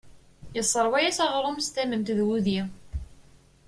Yesseṛwa-as aɣrum s tament d wudi.